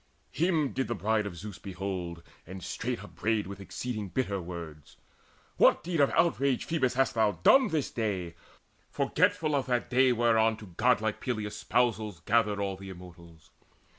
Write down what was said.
Him did the Bride of Zeus behold, and straight Upbraided with exceeding bitter words: "What deed of outrage, Phoebus, hast thou done This day, forgetful of that day whereon To godlike Peleus' spousals gathered all The Immortals?